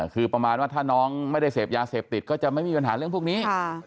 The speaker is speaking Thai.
คือประมาณว่าถ้าน้องไม่ได้เสพยาเสพติดก็จะไม่มีปัญหาเรื่องพวกนี้